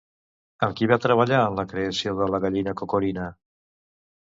Amb qui va treballar en la creació de La gallina Cocorina?